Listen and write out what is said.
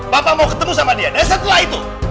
bapak mau ketemu sama dia setelah itu